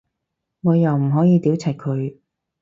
我又唔可以屌柒佢